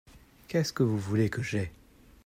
Qu’est-ce que vous voulez que j’aie ?